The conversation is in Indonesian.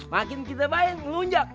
makin kita bayain ngelunjak